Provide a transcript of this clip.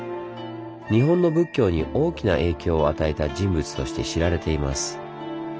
日本の仏教に大きな影響を与えた人物として知られています。